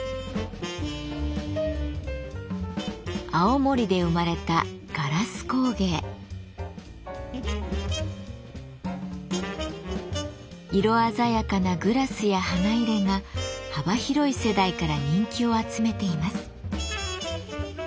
青森で生まれた色鮮やかなグラスや花入れが幅広い世代から人気を集めています。